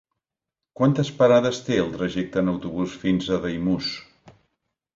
Quantes parades té el trajecte en autobús fins a Daimús?